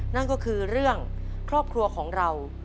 นั่นก็คือเรื่องครอบครัวของเรา